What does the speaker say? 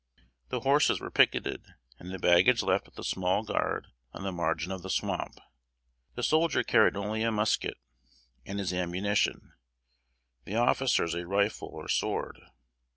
The horses were picketed, and the baggage left with a small guard on the margin of the swamp. The soldier carried only a musket and his ammunition; the officers a rifle or sword.